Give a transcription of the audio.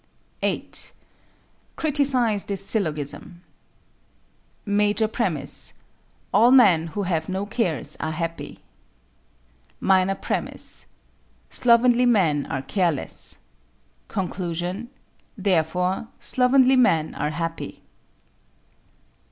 8. Criticise this syllogism: MAJOR PREMISE: All men who have no cares are happy. MINOR PREMISE: Slovenly men are careless. CONCLUSION: Therefore, slovenly men are happy.